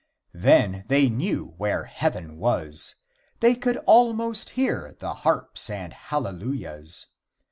Then they knew where heaven was. They could almost hear the harps and hallelujahs.